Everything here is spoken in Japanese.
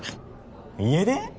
家出？